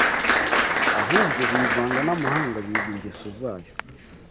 Ahubwo bivanga n’amahanga, biga ingeso zayo